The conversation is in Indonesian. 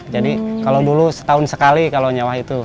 jadi kalau dulu setahun sekali kalau nyawa itu